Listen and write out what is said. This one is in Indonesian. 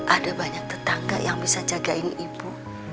ada banyak tetangga yang bisa jagain ibu